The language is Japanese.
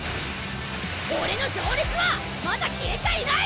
俺の情熱はまだ消えちゃいない！